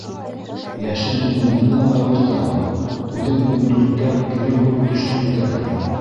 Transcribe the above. Йәшен уның ниңә ҡайғыртаһың, үҙең ун дүрттә килен булып төштөң бит әле.